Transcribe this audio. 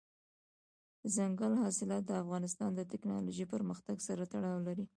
دځنګل حاصلات د افغانستان د تکنالوژۍ پرمختګ سره تړاو لري.